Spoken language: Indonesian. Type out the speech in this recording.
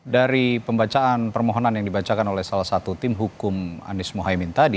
dari pembacaan permohonan yang dibacakan oleh salah satu tim hukum anies mohaimin tadi